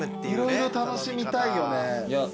色々楽しみたいよね。